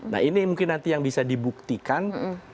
nah ini mungkin nanti yang bisa dibuktikan